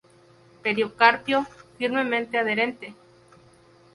Pericarpio firmemente adherente.